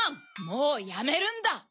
もうやめるんだ！